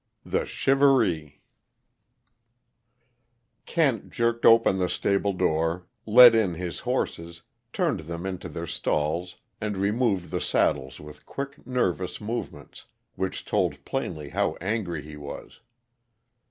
THE "SHIVAREE" Kent jerked open the stable door, led in his horses, turned them into their stalls, and removed the saddles with quick, nervous movements which told plainly how angry he was.